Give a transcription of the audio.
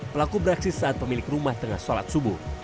pelaku beraksi saat pemilik rumah tengah sholat subuh